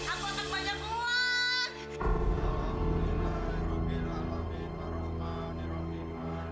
aku akan banyak uang